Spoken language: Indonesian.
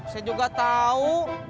saya juga tau